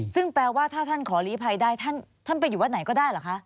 ซึ่งแปลว่าถ้าท่านขอลีภัยได้ท่านไปอยู่วัดไหนก็ได้เหรอคะ